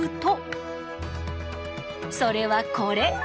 それはこれ！